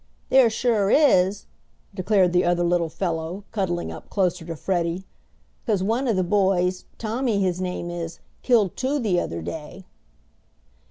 "There sure is," declared the other little fellow, cuddling up closer to Freddie. "'Cause one of the boys, Tommy his name is, killed two the other day."